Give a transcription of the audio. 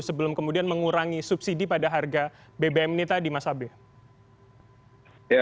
sebelum kemudian mengurangi subsidi pada harga bbm ini tadi mas abe